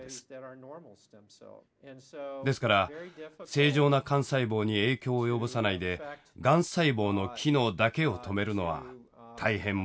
ですから正常な幹細胞に影響を及ぼさないでがん細胞の機能だけを止めるのは大変難しいのです。